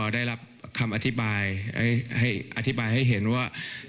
ได้รับคำอธิบายไ้ให้อธิบายให้เห็นว่าสิ่งที่